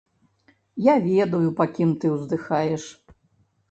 Я ведаю, па кім ты ўздыхаеш.